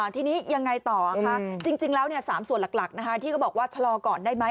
ทีนี้ยังไงต่อจริงแล้ว๓ส่วนหลักที่ก็บอกว่าชะลอก่อนได้ไหม